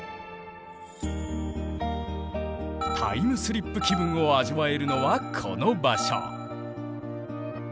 タイムスリップ気分を味わえるのはこの場所。